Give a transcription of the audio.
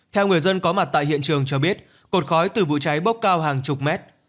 theo người dân có mặt tại hiện trường cho biết cột khói từ vụ cháy bốc cao hàng chục mét